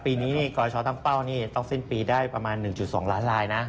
ปีนี้กรชตั้งเป้านี่ต้องสิ้นปีได้ประมาณ๑๒ล้านลายนะ